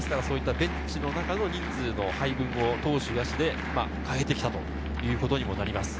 ベンチの中の人数の配分を投手、野手で変えてきたということにもなります。